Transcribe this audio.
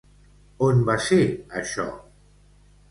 On va ser això?